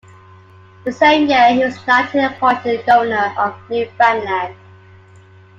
The same year, he was knighted and appointed governor of Newfoundland.